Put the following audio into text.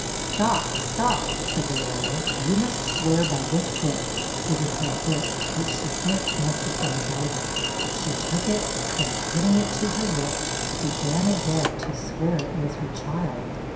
'Stop, stop!' said the lawyer, 'you must swear by this book' giving her a book, which she thinks must have been the Bible. She took it, and putting it to her lips, began again to swear it was her child.